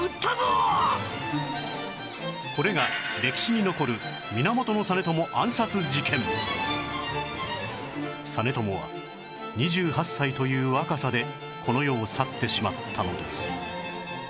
これが歴史に残る実朝は２８歳という若さでこの世を去ってしまったのです